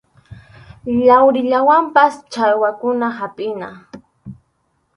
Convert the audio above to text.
Yawrinawanpas challwakuna hapʼina.